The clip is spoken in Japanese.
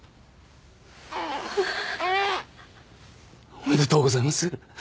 おめでとうございます！